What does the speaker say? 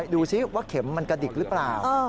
ดูสิว่าเข็มมันกระดิกหรือเปล่า